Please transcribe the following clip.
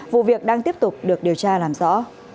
vụ việc đang tiếp tục được điều tra làm rõ